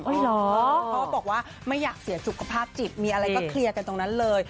เพราะว่าบอกว่าไม่อยากเสียสุขภาพจิตมีอะไรก็เคลียร์กันตรงนั้นเลย